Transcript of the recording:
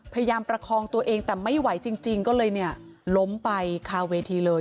ประคองตัวเองแต่ไม่ไหวจริงก็เลยเนี่ยล้มไปคาเวทีเลย